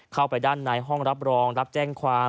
เข้าไปด้านในห้องรับรองรับแจ้งความ